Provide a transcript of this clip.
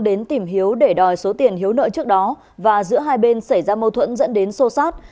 đến tìm hiếu để đòi số tiền hiếu nợ trước đó và giữa hai bên xảy ra mâu thuẫn dẫn đến sô sát